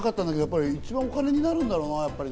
一番お金になるんだろうな。